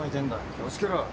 気をつけろ！